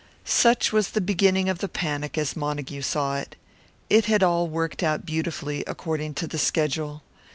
Such was the beginning of the panic as Montague saw it. It had all worked out beautifully, according to the schedule.